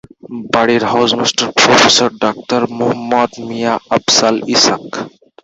বাড়ির house master professor doctor Muhammad Mia Afzal Ishaq.